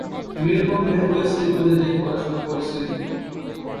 মেলবোর্নের Wesley কলেজে পড়াশোনা করেছিলেন তিনি।